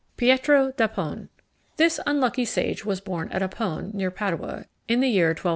PIETRO D'APONE. This unlucky sage was born at Apone, near Padua, in the year 1250.